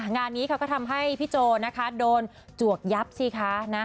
งานนี้เขาก็ทำให้พี่โจนะคะโดนจวกยับสิคะ